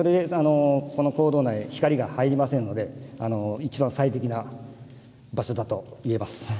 この坑道内は光が入りませんのでいちばん最適な場所だと言えます。